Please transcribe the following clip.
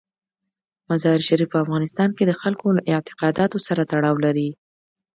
مزارشریف په افغانستان کې د خلکو له اعتقاداتو سره تړاو لري.